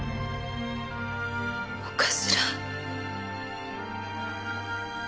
お頭。